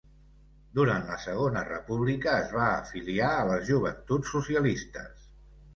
Durant la Segona República es va afiliar a les Joventuts Socialistes.